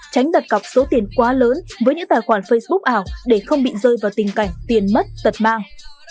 tránh đặt cọc số tiền quá lớn với những tài khoản facebook ảo để không bị rơi vào tình cảnh tiền mất tật mang